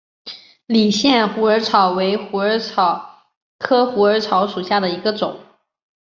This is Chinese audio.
理县虎耳草为虎耳草科虎耳草属下的一个种。